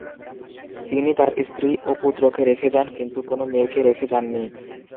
তিনি তার স্ত্রী ও পুত্রকে রেখে যান, কিন্তু কোন মেয়েকে রেখে যান নি।